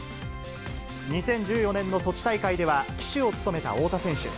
２０１４年のソチ大会では、旗手を務めた太田選手。